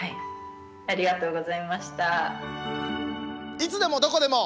「いつでもどこでも」。